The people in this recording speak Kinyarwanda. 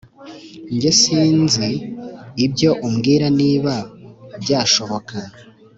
njye sinzi ibyo umbwira niba byashoboka